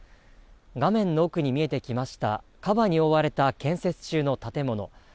画面の奥に見えてきました、カバーに覆われた建設中の建物。